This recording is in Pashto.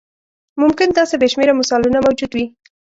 ممکن داسې بې شمېره مثالونه موجود وي.